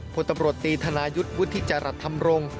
พลตำรวจตีธนายุทธ์วุฒิจรัสธรรมรงค์